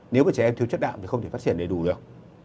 nếu mà trẻ em thiếu chất đạm thì không thể phát triển đầy đủ được